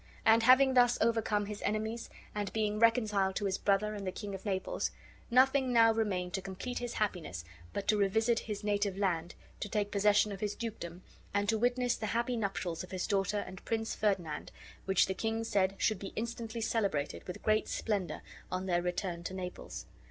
And having thus overcome his enemies, and being reconciled to his brother and the King of Naples, nothing now remained to complete his happiness but to revisit his native land, to take possession of his dukedom, and to witness the happy nuptials of his daughter and Prince Ferdinand, which the king said should be instantly celebrated with great splendor on their return to Naples.